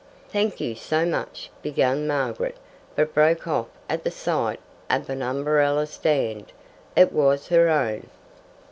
"Thank you so much," began Margaret, but broke off at the sight of an umbrella stand. It was her own.